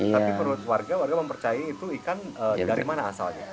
tapi menurut warga warga mempercayai itu ikan dari mana asalnya